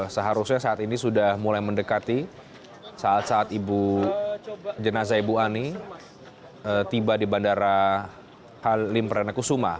seharusnya saat ini sudah mulai mendekati saat saat jenazah ibu ani tiba di bandara halim perdana kusuma